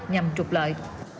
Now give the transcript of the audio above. nhằm trục lợi